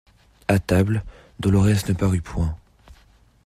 A table, Dolorès ne parut point.